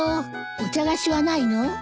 お茶菓子はないの？